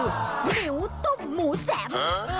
หลิวต้มหมูแจ๋ม